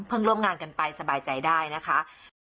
ร่วมงานกันไปสบายใจได้นะคะ